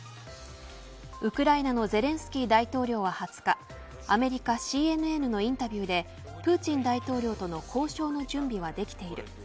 ウクライナのゼレンスキー大統領は２０日アメリカＣＮＮのインタビューでプーチン大統領との交渉の準備はできている。